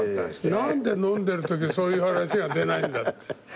何で飲んでるときそういう話が出ないんだって。